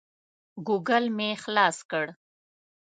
ګوګل مې خلاص کړ.